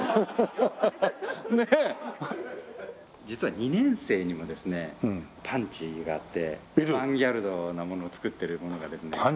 実は２年生にもですねパンチがあってアバンギャルドなものを作ってる者がですね。